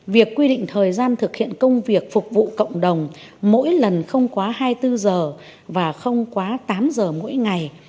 việc quy định thời gian thực hiện công việc phục vụ cộng đồng mỗi lần không quá hai mươi bốn giờ và không quá tám giờ mỗi ngày